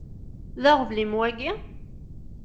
D aɣbel-im wagi?